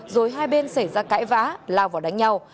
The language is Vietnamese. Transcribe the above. rồi hai bên xảy ra cãi vã lao vào đánh nhau